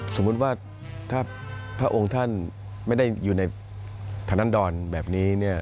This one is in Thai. สมมุติว่าถ้าพระองค์ท่านไม่ได้อยู่ในธนันดรแบบนี้เนี่ย